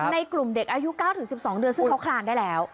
ในกลุ่มเด็กอายุ๙๑๒เดือนซึ่งเขาคลานได้แล้ว